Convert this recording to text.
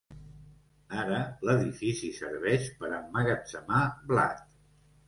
Ara l'edifici serveix per emmagatzemar blat.